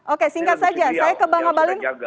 oke singkat saja saya ke bang abalin